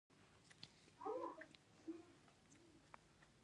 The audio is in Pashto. پانګوال تل په ډېرې ګټې پسې ګرځي